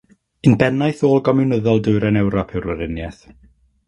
Unbennaeth ôl-gomiwnyddol Dwyrain Ewrop yw'r weriniaeth.